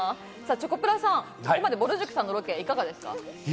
チョコプラさん、ぼる塾さんのロケはいかがですか？